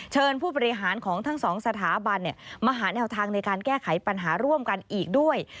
ผู้บริหารของทั้งสองสถาบันมาหาแนวทางในการแก้ไขปัญหาร่วมกันอีกด้วย